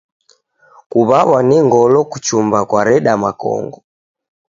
Kuw'aw'a ni ngolo kuchumba kwareda makongo.